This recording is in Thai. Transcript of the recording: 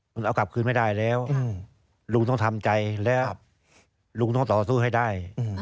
มันเอากลับคืนไม่ได้แล้วลุงต้องทำใจแล้วลุงต้องต่อสู้ให้ได้